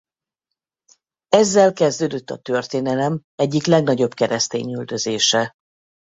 Ezzel kezdődött a történelem egyik legnagyobb keresztényüldözése.